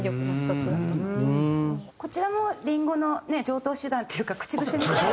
こちらも林檎の常套手段っていうか口癖みたいな。